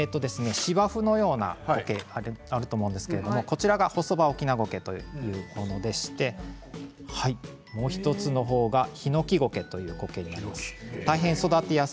芝生のようなこけあると思うんですけども、これはホソバオキナゴケというものでしてもう１つの方はヒノキゴケというものです。